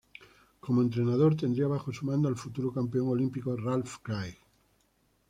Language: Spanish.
Como entrenador tendría bajo su mando al futuro campeón olímpico Ralph Craig.